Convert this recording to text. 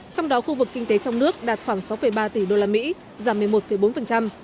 trong đó khu vực kinh tế trong nước đạt khoảng sáu ba tỷ usd giảm một mươi một bốn